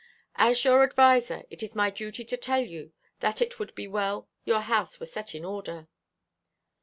"As your adviser, it is my duty to tell you that it would be well your house were set in order."